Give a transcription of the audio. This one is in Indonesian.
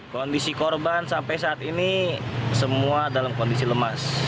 kondisi korban sampai saat ini semua dalam kondisi lemas